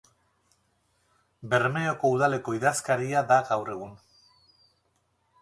Bermeoko Udaleko idazkaria da gaur egun.